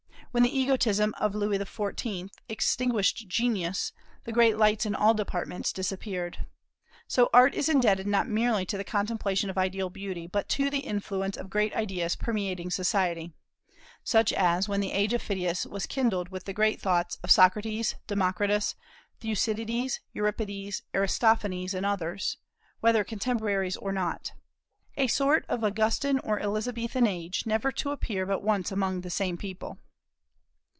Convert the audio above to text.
When the egotism of Louis XIV. extinguished genius, the great lights in all departments disappeared. So Art is indebted not merely to the contemplation of ideal beauty, but to the influence of great ideas permeating society, such as when the age of Phidias was kindled with the great thoughts of Socrates, Democritus, Thucydides, Euripides, Aristophanes, and others, whether contemporaries or not; a sort of Augustan or Elizabethan age, never to appear but once among the same people.